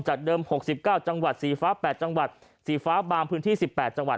เดิม๖๙จังหวัดสีฟ้า๘จังหวัดสีฟ้าบางพื้นที่๑๘จังหวัด